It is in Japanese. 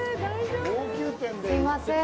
すいません。